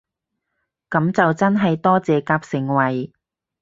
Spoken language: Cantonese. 噉就真係多謝夾盛惠